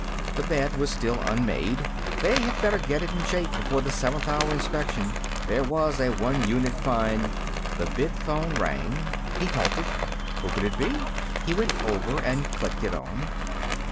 The bed was still unmade. They had better get it in shape before the seventh hour inspection. There was a one unit fine The vidphone rang. He halted. Who would it be? He went over and clicked it on.